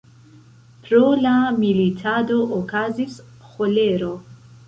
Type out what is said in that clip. Pro la militado okazis ĥolero.